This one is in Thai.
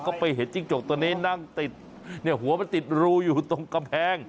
ก็ไปเห็นจิ้งจกตัวนี้นั่งติดเนี่ยหัวมันติดรูอยู่ตรงกำแพง